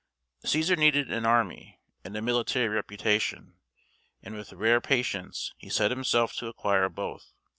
Cæsar needed an army and a military reputation, and with rare patience he set himself to acquire both.